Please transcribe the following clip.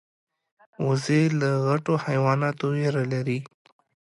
وزې له غټو حیواناتو ویره لري